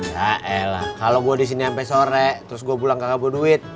ya elah kalau gue disini sampai sore terus gue pulang gak kembali duit